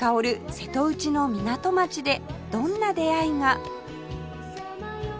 瀬戸内の港町でどんな出会いが？